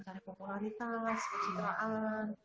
cari popularitas kecintaan